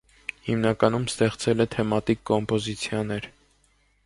Հիմնականում ստեղծել է թեմատիկ կոմպոզիցիաներ։